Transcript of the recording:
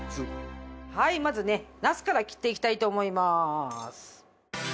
はいまずねナスから切っていきたいと思います。